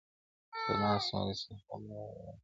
د ناست زمري څخه، ولاړه ګيدړه ښه ده -